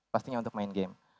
pastinya untuk main game